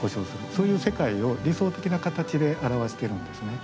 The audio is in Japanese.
そういう世界を理想的な形で表してるんですね。